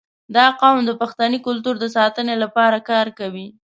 • دا قوم د پښتني کلتور د ساتنې لپاره کار کوي.